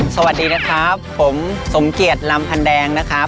สวัสดีนะครับผมสมเกียจลำพันแดงนะครับ